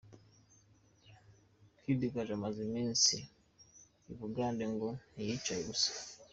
Kid Gaju umaze iminsi i Bugande ngo ntiyicaye ubusa.